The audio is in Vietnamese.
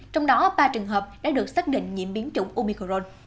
trong đó ba trường hợp đã được xác định nhiễm biến chủng umicron